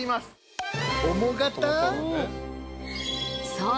そう！